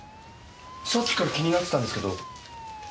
さっきから気になってたんですけど。